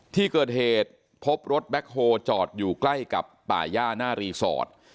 ที่เกิดเหตุพบรถแบ็คโฮลจอดอยู่ใกล้กับป่าย่าหน้ารีสอร์ท